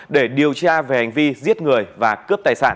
để điều tra về hành vi giết người và cướp tài sản